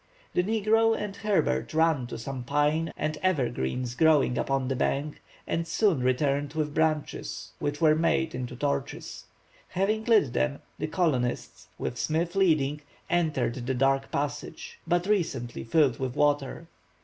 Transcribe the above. The negro and Herbert ran to some pine and evergreens growing upon the bank, and soon returned with branches which were made into torches. Having lit them, the colonists, with Smith leading, entered the dark passage, but recently filled with water.